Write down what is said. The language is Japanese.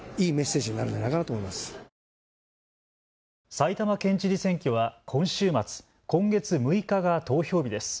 埼玉県知事選挙は今週末、今月６日が投票日です。